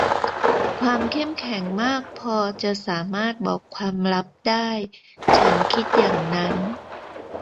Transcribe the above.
ความเข้มแข็งมากพอจะสามารถบอกความลับได้ ฉันคิดอย่างนั้น